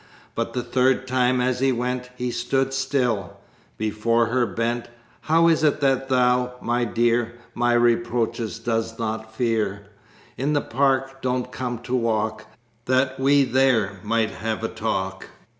But the third time as he went He stood still: before her bent. "How is it that thou, my dear, My reproaches dost not fear? In the park don't come to walk That we there might have a talk?